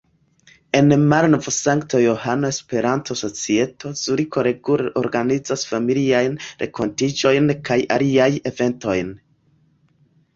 En Malnov-Sankt-Johano Esperanto-Societo Zuriko regule organizas familiajn renkontiĝojn kaj aliajn eventojn.